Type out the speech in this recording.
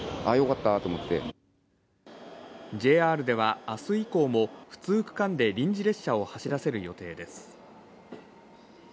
ＪＲでは明日以降も不通区間で臨時列車を走らせる予定です。